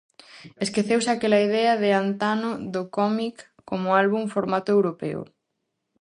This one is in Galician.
Esqueceuse aquela idea de antano do cómic como álbum formato europeo.